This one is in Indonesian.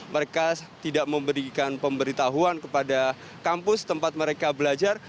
mereka tidak memberikan pemberitahuan kepada kampus tempat mereka belajar